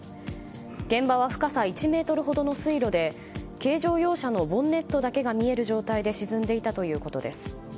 現場は深さ１ｍほどの水路で軽自動車のボンネットだけが見える状態で沈んでいたということです。